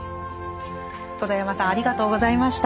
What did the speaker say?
戸田山さんありがとうございました。